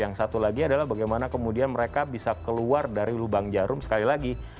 yang satu lagi adalah bagaimana kemudian mereka bisa keluar dari lubang jarum sekali lagi